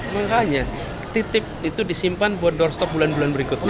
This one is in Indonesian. makanya titip itu disimpan buat doorstop bulan bulan berikutnya